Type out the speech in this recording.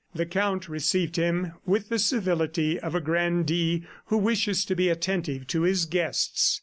The Count received him with the civility of a grandee who wishes to be attentive to his guests.